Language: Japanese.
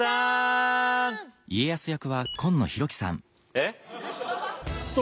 えっ？